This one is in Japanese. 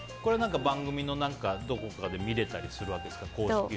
番組のどこかで見れたりするんですか？